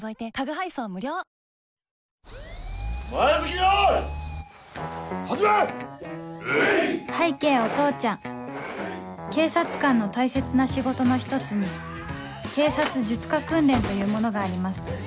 拝啓お父ちゃん警察官の大切な仕事の一つに警察術科訓練というものがあります